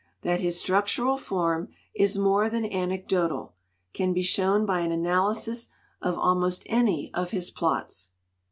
That his structural form is more than anecdotal can be shown by an analysis of almost any of his plots.